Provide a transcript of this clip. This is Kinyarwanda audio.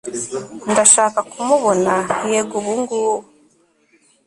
Ndashaka kumubona yego ubungubu